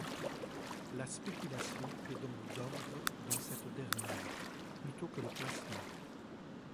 La spéculation est donc d'ordre dans cette dernière, plutôt que le placement.